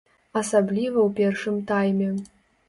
Асабліва ў першым тайме.